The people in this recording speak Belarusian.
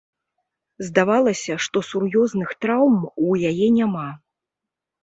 Здавалася, што сур'ёзных траўм у яе няма.